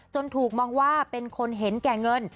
ถูกมองว่าเป็นคนเห็นแก่เงิน